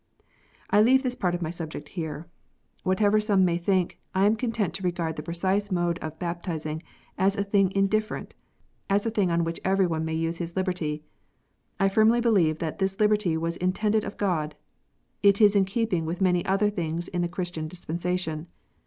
I leave this part of my subject here. Whatever some may think, I am content to regard the precise mode of baptizing as a thing indifferent, as a thing on which every one may use his liberty. I firmly believe that this liberty was intended of God. It is in keeping with many other things in the Christian dispensation.